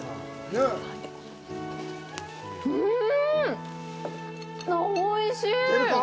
うん！あっ、おいしい！